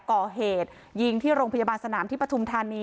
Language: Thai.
ก่อเหตุยิงที่โรงพยาบาลสนามที่ปฐุมธานี